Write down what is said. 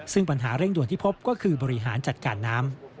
ซึ่งปัญหาเร่งด่วนที่พบก็คือบริหารจัดการน้ำ